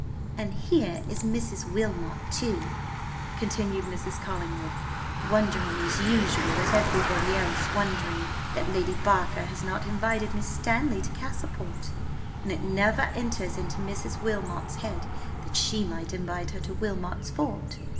"And here is Mrs. Wilmot too," continued Mrs. Collingwood, "wondering as usual, at everybody else, wondering that Lady Barker has not invited Miss Stanley to Castleport; and it never enters into Mrs. Wilmot's head that she might invite her to Wilmot's fort.